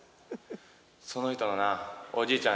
その人のなおじいちゃん